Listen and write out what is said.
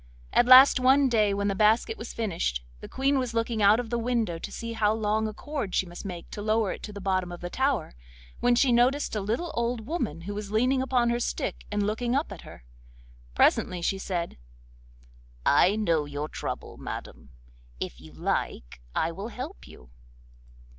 At last one day when the basket was finished, the Queen was looking out of the window to see how long a cord she must make to lower it to the bottom of the tower, when she noticed a little old woman who was leaning upon her stick and looking up at her. Presently she said: 'I know your trouble, madam. If you like I will help you.